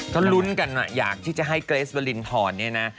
เขารุ้นกันอยากที่จะให้เกรสเวอรินทรนี่นะ